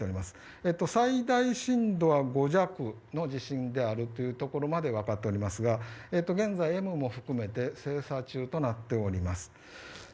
最大震度は５弱の地震であるというところまで分かっておりますが現在Ｍも含めて精査中となっております。